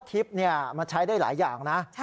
ทิพย์มันใช้ได้หลายอย่างนะ